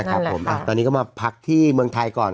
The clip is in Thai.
ตอนนี้ก็จะมาพักที่เมืองไทยก่อน